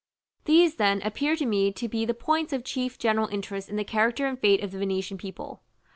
§ XIII. These, then, appear to me to be the points of chief general interest in the character and fate of the Venetian people.